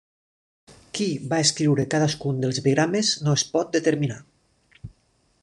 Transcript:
Qui va escriure cadascun dels epigrames no es pot determinar.